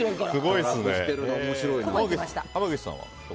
濱口さんは？